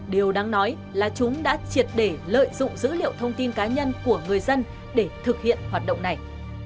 điều đáng nói là chúng đã triệt để lợi dụng dữ liệu thông tin cá nhân của người dân để thực hiện hoạt động này